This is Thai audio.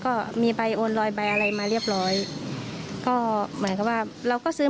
ก็มีใบโอนรอยใบอะไรมาเรียบร้อยก็เหมือนกับว่าเราก็ซื้อ